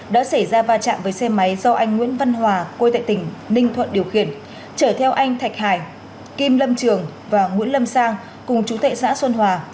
đã xảy ra va chạm với xe máy do anh nguyễn văn hòa quê tại tỉnh ninh thuận điều khiển chở theo anh thạch hải kim lâm trường và nguyễn lâm sang cùng chú tệ xã xuân hòa